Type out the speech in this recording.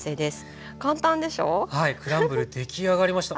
クランブル出来上がりました。